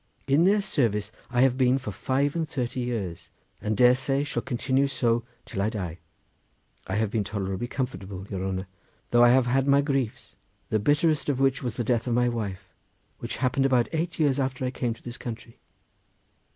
In their service I have been for five and thirty years, and dare say shall continue so till I die. I have been tolerably comfortable, your honour, though I have had my griefs, the bitterest of which was the death of my wife, which happened about eight years after I came to this country.